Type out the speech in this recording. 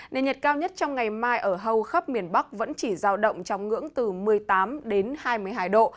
nền nhiệt cao nhất trong ngày mai ở hầu khắp miền bắc vẫn chỉ giao động trong ngưỡng từ một mươi tám đến hai mươi hai độ